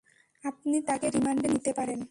আপনি তাকে রিমান্ডে নিতে পারেন।